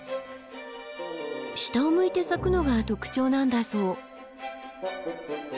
下を向いて咲くのが特徴なんだそう。